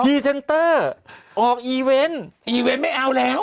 เซนเตอร์ออกอีเวนต์อีเวนต์ไม่เอาแล้ว